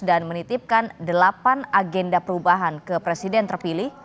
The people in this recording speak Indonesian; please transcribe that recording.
dan menitipkan delapan agenda perubahan ke presiden terpilih